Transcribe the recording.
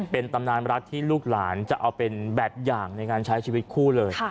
เป็นตำนานรักที่ลูกหลานจะเอาเป็นแบบอย่างในการใช้ชีวิตคู่เลย